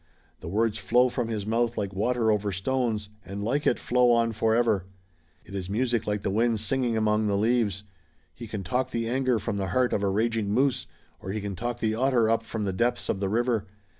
The words flow from his mouth like water over stones, and like it, flow on forever. It is music like the wind singing among the leaves. He can talk the anger from the heart of a raging moose, or he can talk the otter up from the depths of the river.